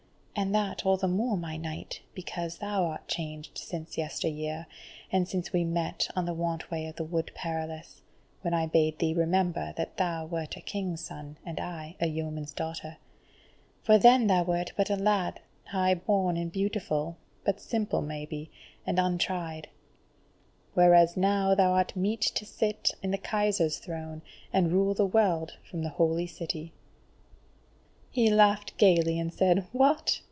And that all the more, my knight, because thou art changed since yester year, and since we met on the want way of the Wood Perilous, when I bade thee remember that thou wert a King's son and I a yeoman's daughter; for then thou wert but a lad, high born and beautiful, but simple maybe, and untried; whereas now thou art meet to sit in the Kaiser's throne and rule the world from the Holy City." He laughed gaily and said: "What!